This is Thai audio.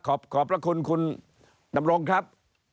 ครับครับเอาละขอบคุณคุณดำรงครับ